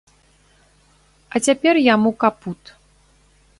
А цяпер яму капут.